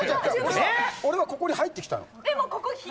俺はここに入ってきたの。